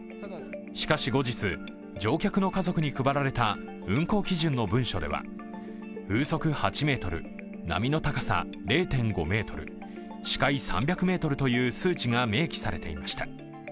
しかし後日、乗客の家族に配られた運航基準の文書では風速８メートル、波の高さ０．５ｍ、視界３００ｍという数値が明記されていました。